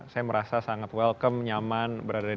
saya merasa sangat welcome nyaman berada di